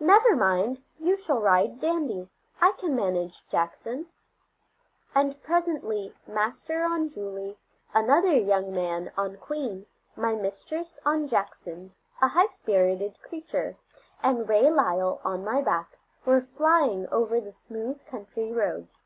"Never mind, you shall ride Dandy. I can manage Jackson." And presently Master on Julie, another young man on Queen, my mistress on Jackson, a high spirited creature, and Ray Lyle on my back, were flying over the smooth country roads.